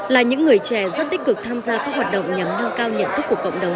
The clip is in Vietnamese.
là những người trẻ rất tích cực tham gia các hoạt động nhằm nâng cao nhận thức của cộng đồng